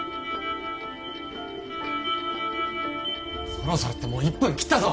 そろそろってもう１分切ったぞ！